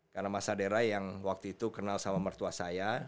karena mas aderay yang waktu itu kenal sama mertua saya